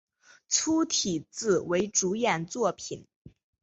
粗体字为主演作品